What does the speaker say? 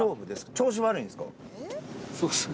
調子悪いんですか？